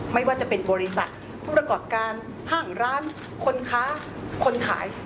ไม่ว่าจะเป็นบริษัทผู้ประกอบการห้างร้านคนค้าคนขาย